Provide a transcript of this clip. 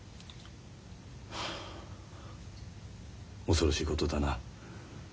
恐ろしいことだな。